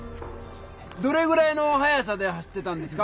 どれぐらいの速さで走ってたんですか？